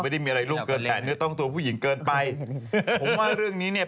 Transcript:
เด็กเล่นกันเนอะเล่นกันเล่นกันเนอะ